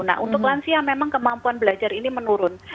nah untuk lansia memang kemampuan belajar ini menurun